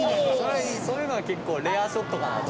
そういうのは結構レアショットかなと。